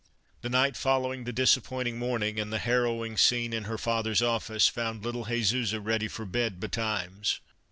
The night following the disappointing morning and the harrowing scene in her father's office found little Jesusa ready for bed betimes.